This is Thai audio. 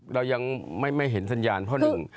เรายังไม่เห็นสัญญาณเพราะหนึ่ง